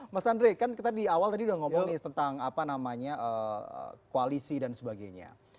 mas andre kan kita di awal tadi udah ngomong nih tentang apa namanya koalisi dan sebagainya